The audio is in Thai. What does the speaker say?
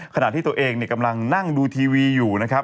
ขณะที่ตัวเองกำลังนั่งดูทีวีอยู่นะครับ